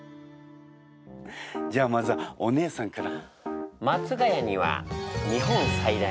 じゃあまずはお姉さんから。